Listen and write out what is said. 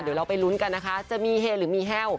เดี๋ยวเราไปลุ้นกันนะคะจะมีเฮหรือมีแห้ว